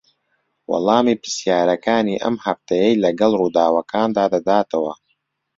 وەڵامی پرسیارەکانی ئەم هەفتەیەی لەگەڵ ڕووداوەکاندا دەداتەوە